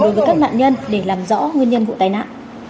đối với các nạn nhân để làm rõ nguyên nhân vụ tai nạn